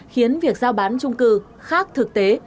khiến việc giao bán trung cư khác thực tế